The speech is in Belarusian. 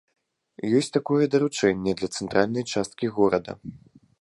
Ёсць такое даручэнне для цэнтральнай часткі горада.